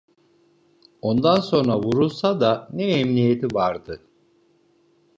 Ondan sonra vurulsa da ne ehemmiyeti vardı.